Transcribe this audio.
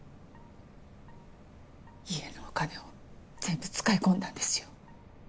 家のお金を全部使い込んだんですよ。